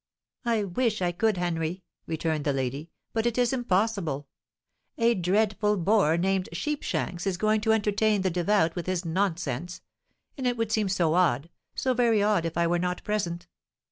"I wish I could, Henry," returned the lady; "but it is impossible! A dreadful bore named Sheepshanks is going to entertain the devout with his nonsense; and it would seem so odd—so very odd if I were not present."